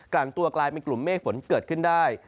หลังตัวกลายเป็นกลุ่มเมฆฝนเกิดขึ้นได้